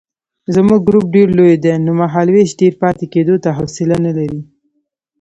زموږ ګروپ ډېر لوی دی نو مهالوېش ډېر پاتې کېدو ته حوصله نه لري.